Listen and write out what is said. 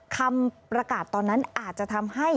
คำประกาศตอนนั้นอาจจะทำให้